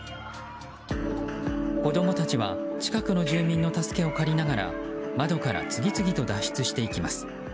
子供たちは近くの住民の助けを借りながら窓から次々と脱出していきます。